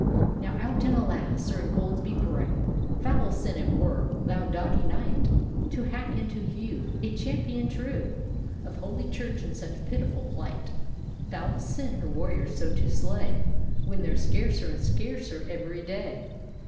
" Now out and alasl Sir Ingoldsby Bray, Foul sin it were, thou doughty Kni^t, To hack and to hew A champion true Of holy Church in such pitiful plight I Foul sin her warriors so to slay, When they're scarcer and scarcer every day!